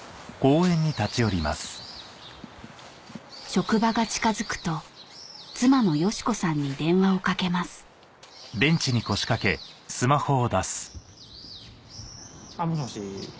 職場が近づくと妻の佳子さんに電話をかけますもしもし？